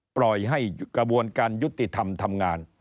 ปล่อยให้กระบวนการยุติธรรมทำงาน